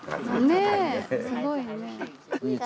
すごいね。